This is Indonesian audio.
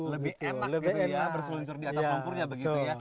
lebih enak gitu ya berseluncur di atas lumpurnya begitu ya